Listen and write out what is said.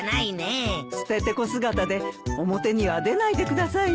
ステテコ姿で表には出ないでくださいね。